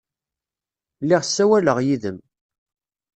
Lliɣ ssawaleɣ yid-m.